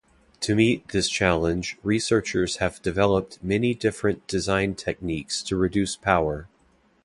To meet this challenge, researchers have developed many different design techniques to reduce power.